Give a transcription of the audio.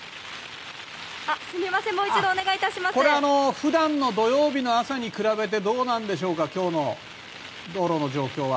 普段の土曜日の朝に比べてどうなんでしょうか今日の道路の状況は。